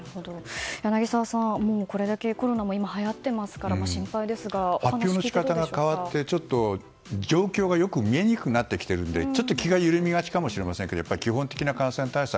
柳澤さん、これだけコロナも今はやっていますから発表の仕方が変わって状況がよく見えにくくなっているので気が緩みがちかもしれませんが基本的な感染対策